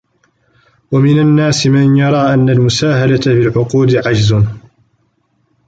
وَمِنْ النَّاسِ مَنْ يَرَى أَنَّ الْمُسَاهَلَةَ فِي الْعُقُودِ عَجْزٌ